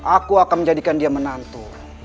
aku akan menjadikan dia menantu